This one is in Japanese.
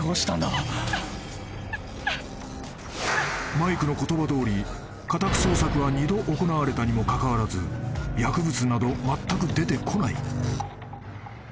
［マイクの言葉どおり家宅捜索は二度行われたにもかかわらず薬物などまったく出てこない］